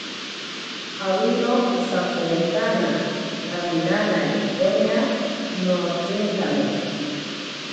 Awiroka kisakowintana, kaminanari poña notsinkame.